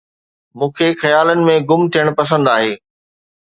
مون کي خيالن ۾ گم ٿيڻ پسند آهي